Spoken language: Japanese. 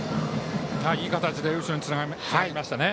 いい形で後ろにつなぎましたね。